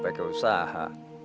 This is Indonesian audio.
merampok aja pakai usaha